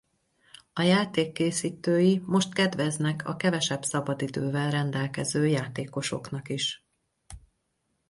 A játék készítői most kedveznek a kevesebb szabadidővel rendelkező játékosoknak is.